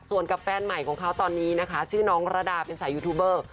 ส่วนกับแฟนใหม่ของเขาตอนนี้นะคะชื่อน้องระดาเป็นสายยูทูบเบอร์